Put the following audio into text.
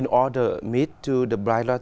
nó chính là